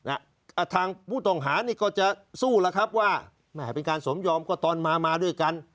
ทางผู้ต้องหานี่ก็จะสู้แล้วครับว่าแหมเป็นการสมยอมก็ตอนมามาด้วยกัน